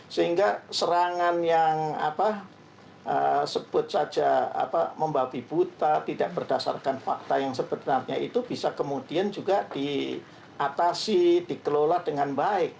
sehingga serangan yang sebut saja membabi buta tidak berdasarkan fakta yang sebenarnya itu bisa kemudian juga diatasi dikelola dengan baik